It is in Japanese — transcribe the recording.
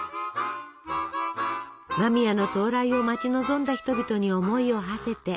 間宮の到来を待ち望んだ人々に思いをはせて。